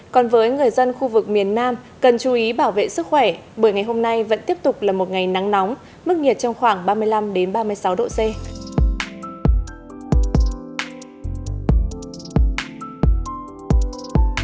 còn với người dân khu vực miền nam cần chú ý bảo vệ sức khỏe bởi ngày hôm nay vẫn tiếp tục là một ngày nắng nóng mức nhiệt trong khoảng ba mươi năm ba mươi sáu độ c